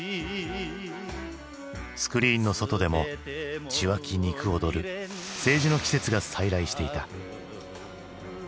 スクリーンの外でも血湧き肉躍る政治の季節が再来していた。